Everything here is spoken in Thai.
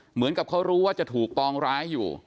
เหมือนกับเขารู้ว่าจะถูกปองร้ายอยู่